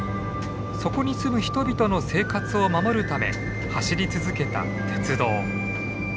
そこに住む人々の生活を守るため走り続けた鉄道。